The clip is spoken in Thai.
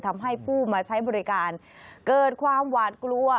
ทำให้ผู้มาใช้บริการเกิดความหวาดกลัว